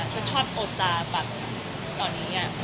ก็ชอบโอกาสตอนนี้